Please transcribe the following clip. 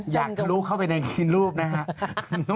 อยากรู้เข้าไปในรูปนะฮะ